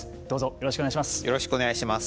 よろしくお願いします。